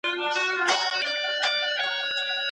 ایا ډېره ډوډۍ ماڼۍ ته یوړل سوه؟